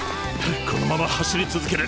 このまま走り続ける。